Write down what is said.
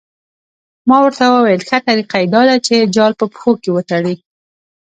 ما ورته وویل ښه طریقه یې دا ده چې جال په پښو کې وتړي.